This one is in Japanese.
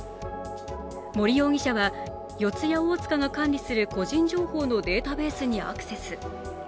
森容疑者は四谷大塚が管理する個人情報のデータベースにアクセス。